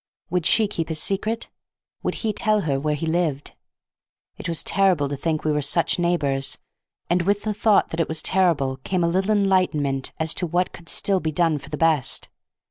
Would she keep his secret? Would he tell her where he lived? It was terrible to think we were such neighbors, and with the thought that it was terrible came a little enlightenment as to what could still be done for the best.